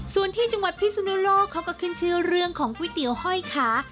ส่วนที่จังหวัดพิสุนูลกของก็คือเรื่องของก๋วยเตี๋ยวห้อยขา